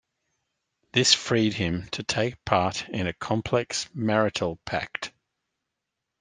This freed him to take part in a complex marital pact.